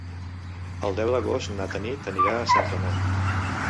El deu d'agost na Tanit anirà a Sant Ramon.